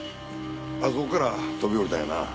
あそこから飛び降りたんやな。